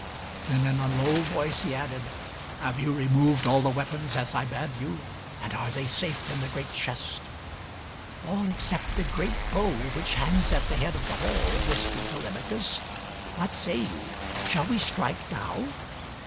Then in a low voice he added, " Have you removed all the weap ons as I bade you? And are they safe in the great chest?" " All except the great bo'w which hangs at the head of the hall," whispered Telemachus. " What say you ? Shall we strike now